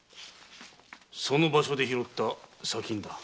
その場所で拾った砂金だ。